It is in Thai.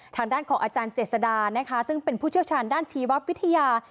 ทางด้านของอาจารย์เจสดาซึ่งเป็นผู้เชื่อชาญด้านชีววัฒน์วิทยา